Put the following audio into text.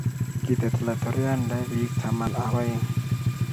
kitet laitoriande biik taman ak oeng'